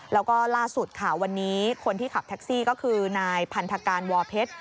แล้วก็ล่าสุดค่ะวันนี้คนที่ขับแท็กซี่ก็คือนายพันธการวอเพชร